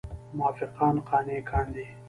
موافقان قانع کاندي.